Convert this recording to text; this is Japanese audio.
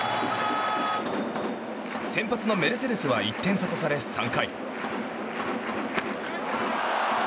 先発のメルセデスは１点差とされ、３回。